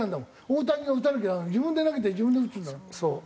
大谷が打たなきゃ自分で投げて自分で打つんだよ。